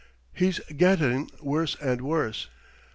"He's gettin' worse and worse.